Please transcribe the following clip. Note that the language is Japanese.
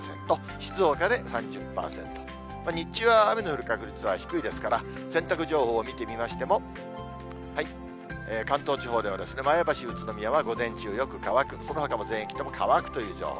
静岡で３０％、日中は雨の降る確率は低いですから、洗濯情報を見てみましても、関東地方では前橋、宇都宮では午前中よく乾く、そのほかも全域とも乾くという情報。